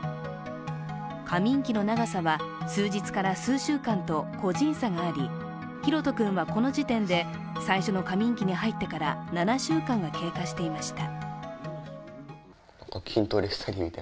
過眠期の長さは数日から数週間と個人差がありひろと君は、この時点で最初の過眠期に入ってから７週間が経過していました。